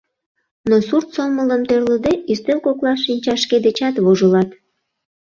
Но сурт сомылым тӧрлыде, ӱстел коклаш шинчаш шке дечат вожылат.